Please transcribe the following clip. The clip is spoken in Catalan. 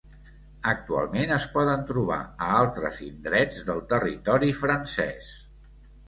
Actualment es poden trobar a altres indrets del territori francès.